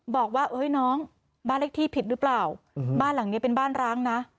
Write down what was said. บอกว่าเอ้ยน้องบ้านเลขที่ผิดหรือเปล่าบ้านหลังนี้เป็นบ้านร้างนะ